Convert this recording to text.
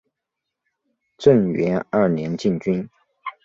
正元二年进军。